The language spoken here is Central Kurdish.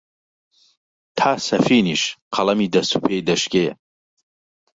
تا سەفینیش قەڵەمی دەست و پێی دەشکێ،